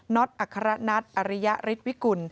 ็ตอัครนัทอริยฤทธิวิกุล